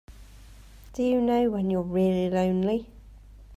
Do you know when you're really lonely?